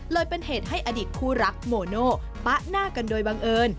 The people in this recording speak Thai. เป็นเหตุให้อดีตคู่รักโมโน่ปะหน้ากันโดยบังเอิญ